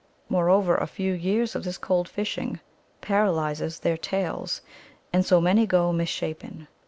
Moreover, a few years of this cold fishing paralyses their tails. And so many go misshapen.